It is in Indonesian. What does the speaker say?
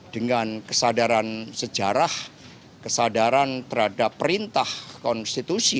dengan kesadaran sejarah kesadaran terhadap perintah konstitusi